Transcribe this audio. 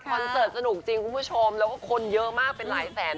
เสิร์ตสนุกจริงคุณผู้ชมแล้วก็คนเยอะมากเป็นหลายแสน